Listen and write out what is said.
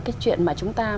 cái chuyện mà chúng ta